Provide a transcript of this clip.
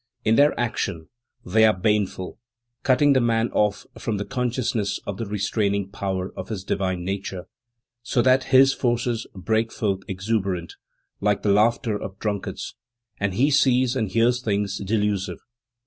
In their action, they are baneful, cutting the man off from consciousness of the restraining power of his divine nature, so that his forces break forth exuberant, like the laughter of drunkards, and he sees and hears things delusive.